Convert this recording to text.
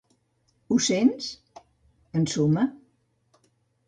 Ho sents? –ensuma–.